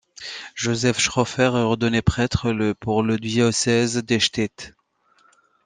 Joseph Schröffer est ordonné prêtre le pour le diocèse d'Eichstätt.